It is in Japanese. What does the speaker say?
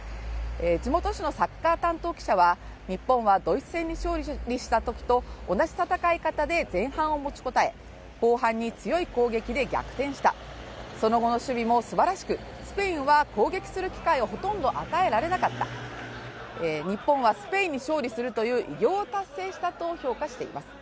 地元紙のサッカー担当記者は、日本はドイツ戦に勝利したときと同じ戦い方で前半を持ちこたえ後半に強い攻撃で逆転した、その後の守備もすばらしく、スペインは攻撃する機会をほとんど与えられなかった、日本はスペインに勝利するという偉業を達成したと評価しています。